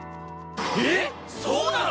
えっそうなの⁉